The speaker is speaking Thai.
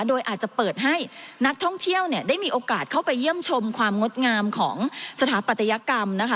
โดยอาจจะเปิดให้นักท่องเที่ยวเนี่ยได้มีโอกาสเข้าไปเยี่ยมชมความงดงามของสถาปัตยกรรมนะคะ